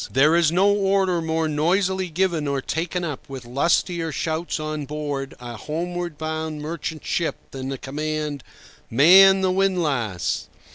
There is no order more noisily given or taken up with lustier shouts on board a homeward bound merchant ship than the command, "Man the windlass!"